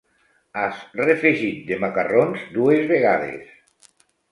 Has refegit de macarrons dues vegades.